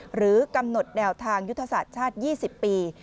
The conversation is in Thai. หรือกำหนดแนวทางยุทธศาสตร์ชาติ๒๐ปี